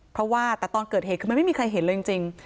เพราะว่าแต่ตอนเกิดเหตุคือมันไม่มีใครเห็นเลยจริง